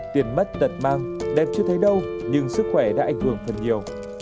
tiền mất tật mang đẹp chưa thấy đâu nhưng sức khỏe đã ảnh hưởng phần nhiều